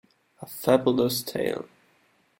A Fabulous tale.